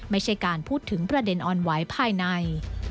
ไม่ใช่การพูดถึงประเด็นอ่อนไหวภายใน